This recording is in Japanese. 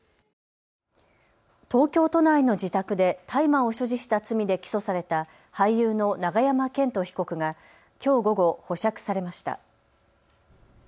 東京都内の自宅で大麻を所持した罪で起訴された俳優の永山絢斗被告がきょう午後、保釈されました。